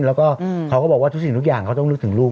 แล้วก็เขาก็บอกว่าทุกสิ่งทุกอย่างเขาต้องนึกถึงลูก